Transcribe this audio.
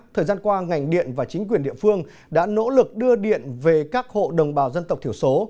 thời gian qua ngành điện và chính quyền địa phương đã nỗ lực đưa điện về các hộ đồng bào dân tộc thiểu số